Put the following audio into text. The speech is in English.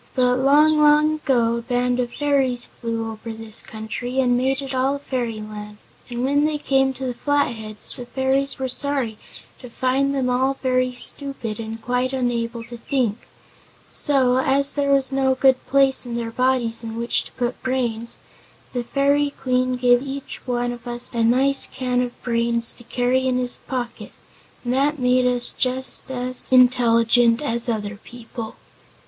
But long, long ago a band of fairies flew over this country and made it all a fairyland, and when they came to the Flatheads the fairies were sorry to find them all very stupid and quite unable to think. So, as there was no good place in their bodies in which to put brains the Fairy Queen gave each one of us a nice can of brains to carry in his pocket and that made us just as intelligent as other people.